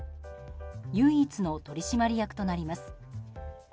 唯一の取締役となります。